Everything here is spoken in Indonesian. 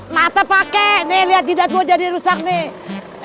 mata pake nih liat jidat gue jadi rusak nih